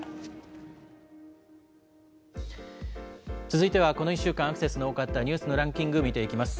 続いては、この１週間、アクセスの多かったニュースのランキング見ていきます。